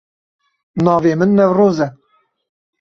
Navê min Newroz e.